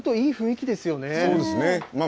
そうですね。